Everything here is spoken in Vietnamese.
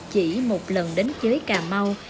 chỉ một lần đến chế cà mau